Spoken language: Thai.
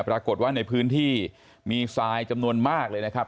ปรากฏว่าในพื้นที่มีทรายจำนวนมากเลยนะครับ